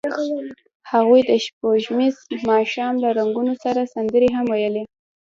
هغوی د سپوږمیز ماښام له رنګونو سره سندرې هم ویلې.